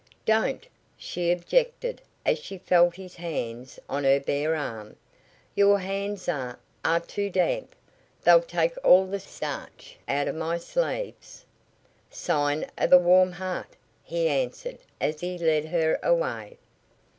"Don't!" she objected as she felt his hands on her bare arm. "Your hands are are too damp. They'll take all the starch out of my sleeves." "Sign of a warm heart," he answered as he led her away.